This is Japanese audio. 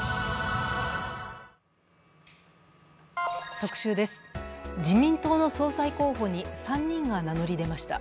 特集です、自民党の総裁候補に３人が名乗り出ました。